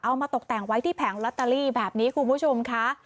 มาตกแต่งไว้ที่แผงลอตเตอรี่แบบนี้คุณผู้ชมค่ะ